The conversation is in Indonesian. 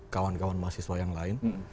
kawan kawan mahasiswa yang lain